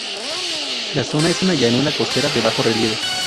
La zona es una llanura costera de bajo relieve.